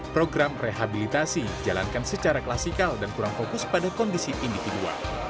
program rehabilitasi jalankan secara klasikal dan kurang fokus pada kondisi individua